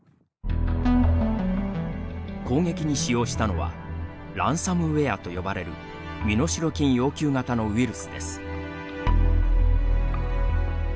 攻撃に使用したのは「ランサムウエア」と呼ばれる身代金要求型のウイルスです。